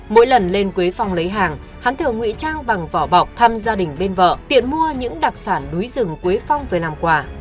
mỗi lần lên quế phong lấy hàng hắn thường ngụy trang bằng vỏ bọc thăm gia đình bên vợ tiện mua những đặc sản núi rừng quế phong về làm quà